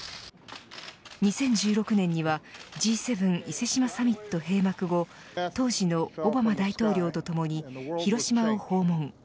２０１６年にはＧ７伊勢志摩サミット閉幕後当時のオバマ大統領とともに広島を訪問。